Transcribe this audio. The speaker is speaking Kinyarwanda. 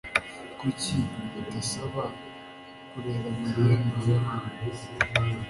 Kuki utasaba kurera Mariya na Yohana?